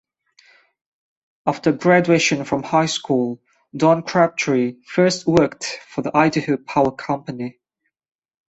After graduation from high school Don Crabtree first worked for the Idaho Power Company.